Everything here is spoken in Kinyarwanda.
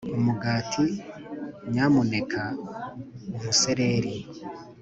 umugati, nyamuneka, umusereri.